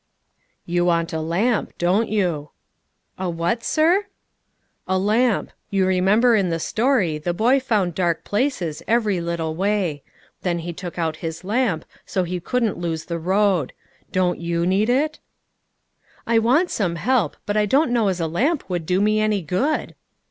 "You want a lamp, don't you?" "A what, sir?" "A lamp. You remember in the story the boy found dark places every little way; then he took out his lamp, so he couldn't lose the road. Don't you need it?" "I want some help, but I don't know as a lamp would do me any good."